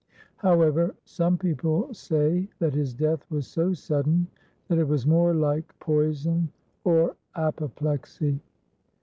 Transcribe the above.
However, some people say that his death was so sudden that it was more hke poison or apoplexy.